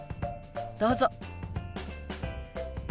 どうぞ。